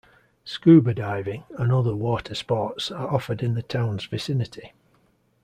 Scuba diving and other water sports are offered in the town's vicinity.